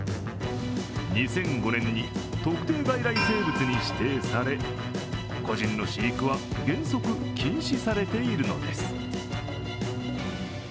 ２００５年に特定外来生物に指定され個人の飼育は原則禁止されているのです。